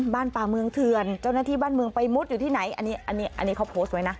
บ้านป่าเมืองเถื่อนเจ้าหน้าที่บ้านเมืองไปมุดอยู่ที่ไหนอันนี้อันนี้เขาโพสต์ไว้นะ